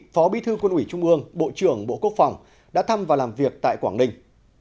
phó bí thư quân ủy trung ương bộ trưởng bộ quốc phòng đã thăm và làm việc tại quảng ninh